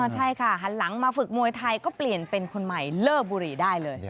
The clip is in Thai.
ใช่ค่ะหันหลังมาฝึกมวยไทยก็เปลี่ยนเป็นคนใหม่เลิกบุรีได้เลย